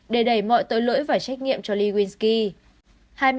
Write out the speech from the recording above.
để đẩy mọi tội lỗi và trách nhiệm cho lewinsky